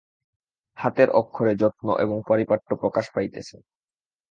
হাতের অক্ষরে যত্ন এবং পারিপাট্য প্রকাশ পাইতেছে।